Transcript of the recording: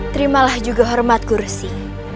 terimalah juga hormatku resi